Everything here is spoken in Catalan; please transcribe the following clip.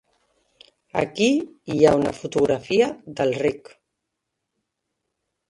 Aquí hi ha una fotografia del Rec.